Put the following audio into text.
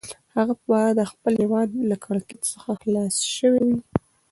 هغه به د خپل هیواد له کړکېچ څخه خلاص شوی وي.